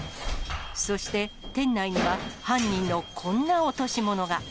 そして店内には犯人のこんな落とし物が。